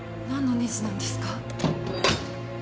何のネジなんですか？